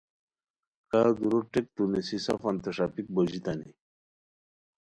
کا دُورو ٹیکتو نیسی سفانتین ݰاپیک بوژیتانی